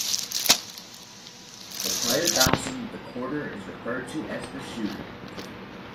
The player bouncing the quarter is referred to as the shooter.